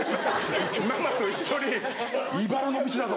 ママと一緒に「いばらの道だぞ」。